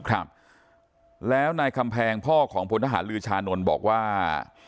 ครับแล้วนายคำแพงพ่อของพลทหารลือชานนท์บอกว่า